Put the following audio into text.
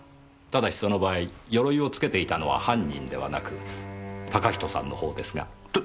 ただしその場合鎧をつけていたのは犯人ではなく嵩人さんのほうですが。